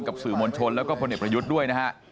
กับสื่อมวลชนแล้วก็พลเอกประยุทธ์ด้วยนะฮะ